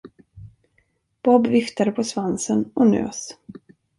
Bob viftade på svansen och nös.